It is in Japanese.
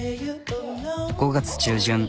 ５月中旬。